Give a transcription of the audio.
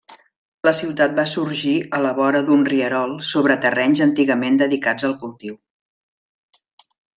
La ciutat va sorgir a la vora d'un rierol sobre terrenys antigament dedicats al cultiu.